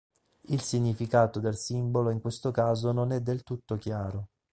Il significato del simbolo in questo caso non è del tutto chiaro.